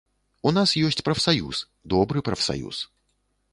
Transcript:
У нас ёсць прафсаюз, добры прафсаюз.